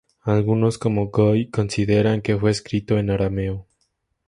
Algunos, como Guy, consideran que fue escrito en arameo.